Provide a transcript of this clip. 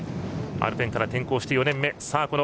アルペンから転向して４年目。